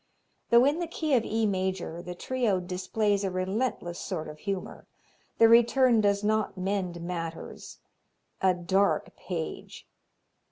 Though in the key of E major the trio displays a relentless sort of humor. The return does not mend matters. A dark page!